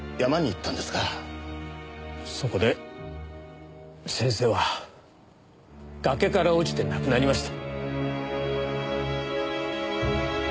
そこで先生は崖から落ちて亡くなりました。